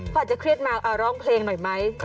พอจะเครียดมาเอาร้องเพลงหน่อยไหม